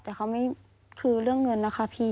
แต่เขาไม่คือเรื่องเงินนะคะพี่